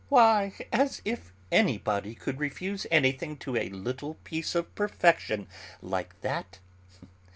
"Why, as if anybody could refuse anything to a little piece of perfection like that.